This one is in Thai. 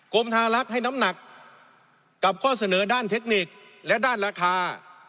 กรมธารักษ์ให้น้ำหนักกับข้อเสนอด้านเทคนิคและด้านราคา